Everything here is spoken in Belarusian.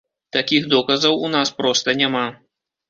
Такіх доказаў у нас проста няма.